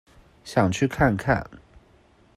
想去看看